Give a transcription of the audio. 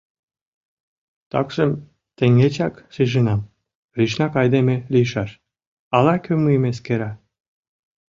Такшым, теҥгечак шижынам: лишнак айдеме лийшаш, ала-кӧ мыйым эскера...